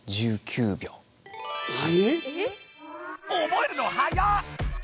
覚えるのはやっ！